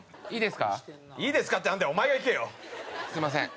「すみません」